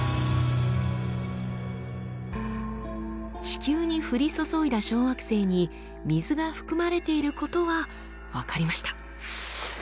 地球に降り注いだ小惑星に水が含まれていることは分かりました。